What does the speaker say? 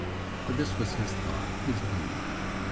For this was his thought, his deed.